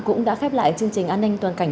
cũng đã khép lại chương trình an ninh toàn cảnh